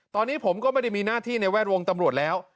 ตอนนี้ผมก็ไม่ได้มีหน้าที่ในแวดวงตำรวจแล้ว